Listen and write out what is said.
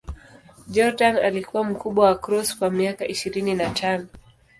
Jordan alikuwa mkubwa wa Cross kwa miaka ishirini na tano.